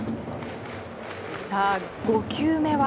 さあ、５球目は。